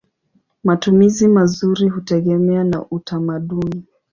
Matumizi mazuri hutegemea na utamaduni.